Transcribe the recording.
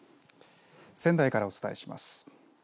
仙台からお伝えします。